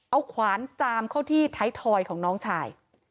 เอาขวานจามเข้าที่ไทยทอยของน้องชาย